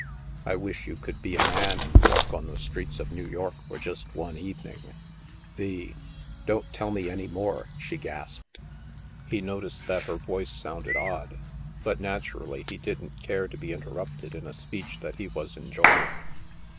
I wish you could be a man and walk on the streets of New York for just one even ing. The —"" Don't tell me any more," she gasped. He no ticed that her voice sounded odd, but, naturally, he didn't care to be interrupted in a speech that he was enjoying.